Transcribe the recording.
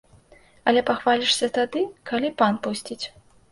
Але пахвалішся тады, калі пан пусціць.